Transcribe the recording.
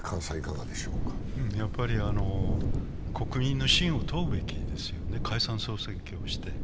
やっぱり国民の信を問うべきですね、解散総選挙をして。